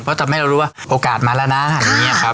เพราะทำให้เรารู้ว่าโอกาสมาแล้วนะ